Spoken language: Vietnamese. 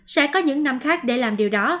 sẽ có những năm khác để làm điều đó